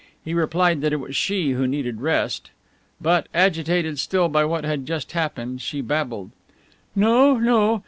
He replied that it was she who needed rest. But, agitated still by what had just happened, she babbled: "No, no!